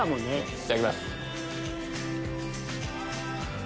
いただきます。